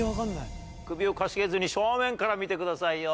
首をかしげずに正面から見てくださいよ。